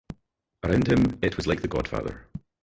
Around him it was like "The Godfather".